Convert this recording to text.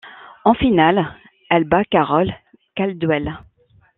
En finale, elle bat Carole Caldwell.